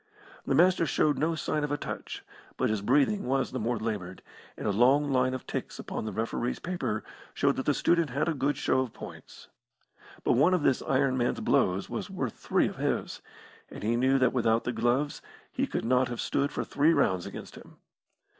The Master showed no sign of a touch, but his breathing was the more laboured, and a long line of ticks upon the referee's paper showed that the student had a good show of points. But one of this iron man's blows was worth three of his, and he knew that without the gloves he could not have stood for three rounds against him.